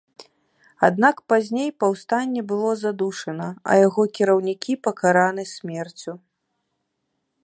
Аднак пазней паўстанне было задушана, а яго кіраўнікі пакараны смерцю.